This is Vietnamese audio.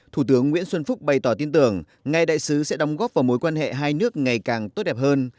thủ tướng nguyễn xuân phúc bày tỏ tin tưởng ngài đại sứ sẽ đóng góp vào mối quan hệ hai nước ngày càng tốt đẹp hơn